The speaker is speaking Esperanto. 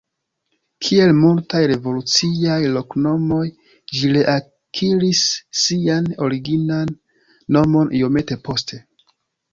Kiel multaj revoluciaj loknomoj, ĝi reakiris sian originan nomon iomete poste.